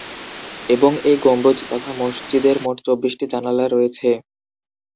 এবং এই গম্বুজ তথা মসজিদের মোট চব্বিশটি জানালা রয়েছে।